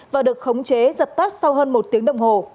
và được khống chế dập tắt sau hơn một tiếng đồng hồ